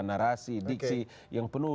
narasi diksi yang penuh